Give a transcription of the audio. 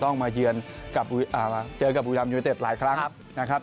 ต้องเจอกับอุยามยูเต็ปหลายครั้งนะครับ